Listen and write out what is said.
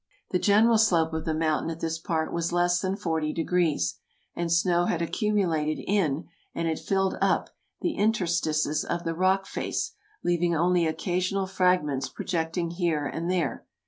The general slope of the mountain at this part was less than forty degrees, and snow had accumulated in, and had filled up, the interstices of the rock face, leaving only occasional fragments projecting here and there.